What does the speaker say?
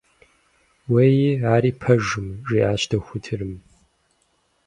Уэи, ари пэжым, - жиӀащ дохутырым.